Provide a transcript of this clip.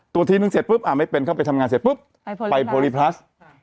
ตรวจทีนึงเสร็จไม่เป็นเข้าไปทำงานถึงไปโพลีพลัส